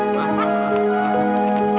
eh mas saja ya